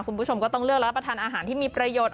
คุณผู้ชมก็ต้องเลือกรับประทานอาหารที่มีประโยชน์